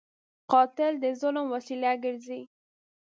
قاتل د ظلم وسیله ګرځي